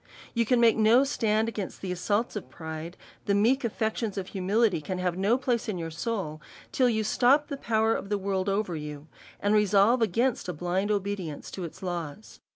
You can make no stand against the assaults of pride, the meek aflections of humility can have no place in your soul, till you stop the power of the world over you, and resolve against a blind obedience to its laws.